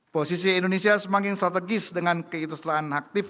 posisi indonesia semakin strategis dengan keitusteraan aktif